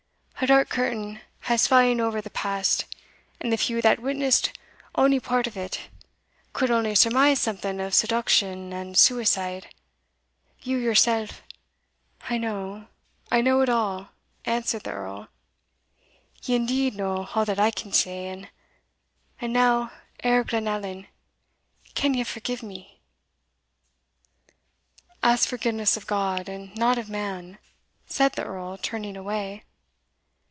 A dark curtain has fa'en ower the past, and the few that witnessed ony part of it could only surmise something of seduction and suicide. You yourself" "I know I know it all," answered the Earl. "You indeed know all that I can say And now, heir of Glenallan, can you forgive me?" [Illustration: Lord Glenallen and Elspeth] "Ask forgiveness of God, and not of man," said the Earl, turning away.